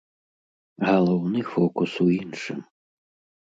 Галоўны фокус у іншым.